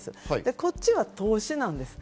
こっちは投資です。